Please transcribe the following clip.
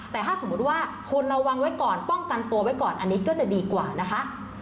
แต่ถ้าสมมุติว่าคุณระวังไว้ก่อนป้องกันตัวไว้ก่อนอันนี้ก็จะดีกว่านะคะ